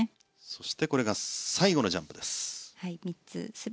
そして最後のジャンプです。